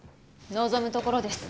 望むところです。